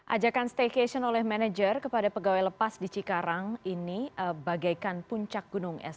ajakan staycation oleh manajer kepada pegawai lepas di cikarang ini bagaikan puncak gunung es